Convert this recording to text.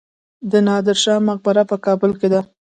د نادر شاه مقبره په کابل کې ده